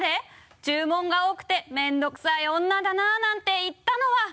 注文が多くて面倒くさい女だな、なんて言ったのは」